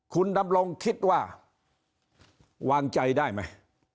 คุณดำรงคิดว่าวางใจได้ไหม